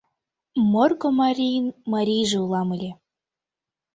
Морко марин марийже улам ыле